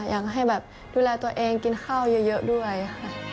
อยากให้แบบดูแลตัวเองกินข้าวเยอะด้วยค่ะ